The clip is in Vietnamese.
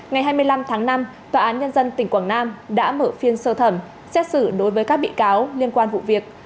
ngày hai mươi năm tháng năm tòa án nhân dân tỉnh quảng nam đã mở phiên sơ thẩm xét xử đối với các bị cáo liên quan vụ việc